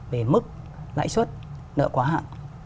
về mức lãi xuất nợ khóa hạn